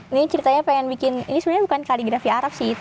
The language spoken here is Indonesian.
ini ceritanya pengen bikin ini sebenarnya bukan kaligrafi arab sih